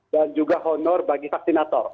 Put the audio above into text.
dan juga honor bagi vaksinator